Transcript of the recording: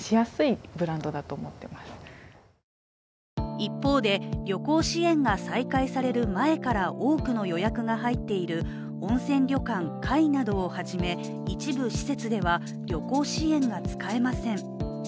一方で、旅行支援が再開される前から多くの予約が入っている温泉旅館・界などをはじめ、一部施設では旅行支援が使えません。